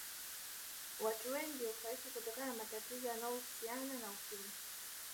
Watu wengi hufariki kutokana na matatizo yanayohusiana na Ukimwi